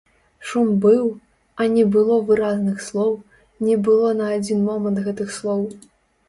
Шум быў, а не было выразных слоў, не было на адзін момант гэтых слоў.